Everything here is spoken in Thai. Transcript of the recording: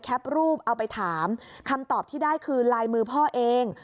รูปเอาไปถามคำตอบที่ได้คือลายมือพ่อเอง